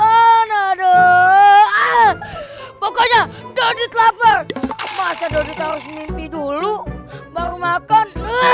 anado pokoknya dodit lapar masa dodita harus mimpi dulu baru makan